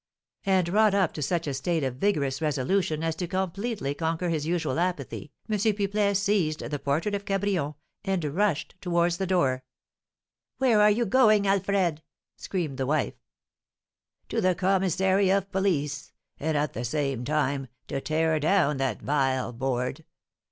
And, wrought up to such a state of vigorous resolution as to completely conquer his usual apathy, M. Pipelet seized the portrait of Cabrion and rushed towards the door. "Where are you going, Alfred?" screamed the wife. "To the commissary of police, and, at the same time, to tear down that vile board!